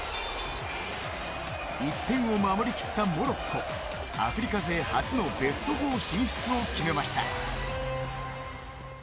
１点を守り切ったモロッコアフリカ勢初のベスト４進出を決めました。